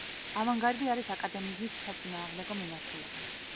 ავანგარდი არის აკადემიზმის საწინააღმდეგო მიმართულება.